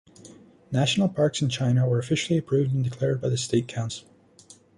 National parks in China were officially approved and declared by the State Council.